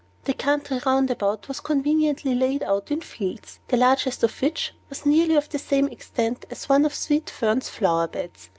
The country round about was conveniently laid out in fields, the largest of which was nearly of the same extent as one of Sweet Fern's flower beds.